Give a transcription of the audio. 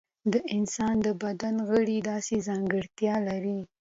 د انسان د بدن غړي داسې ځانګړتیا لري.